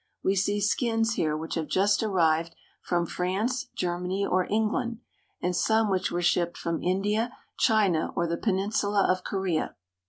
We see skins here which have just arrived from France, Germany, or England, and some which were shipped from India, China, or the penin sula of Korea.